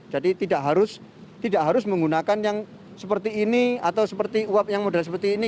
jadi tidak harus menggunakan yang seperti ini atau seperti uap yang model seperti ini